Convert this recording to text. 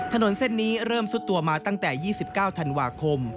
ถนนเส้นนี้เริ่มซุดตัวมาตั้งแต่๒๙ธันวาคม